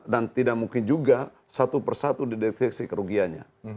dan tidak mungkin juga satu persatu didefleksi kerugiannya